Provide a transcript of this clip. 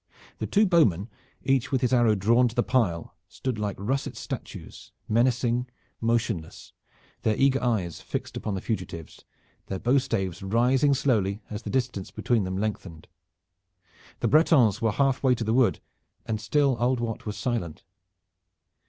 The two bowmen, each with his arrow drawn to the pile, stood like russet statues, menacing, motionless, their eager eyes fixed upon the fugitives, their bow staves rising slowly as the distance between them lengthened. The Bretons were half way to the wood, and still Old Wat was silent.